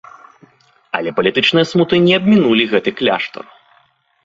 Але палітычныя смуты не абмінулі гэты кляштар.